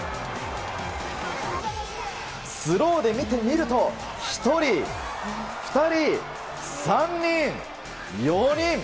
スローで見てみると１人、２人、３人、４人！